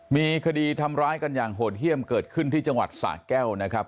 มีคดีทำร้ายกันอย่างโหดเยี่ยมเกิดขึ้นที่จังหวัดสะแก้วนะครับ